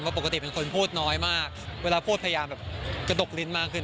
ปกติเป็นคนพูดน้อยมากเวลาพูดพยายามแบบกระดกลิ้นมากขึ้น